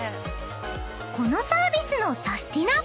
［このサービスのサスティな！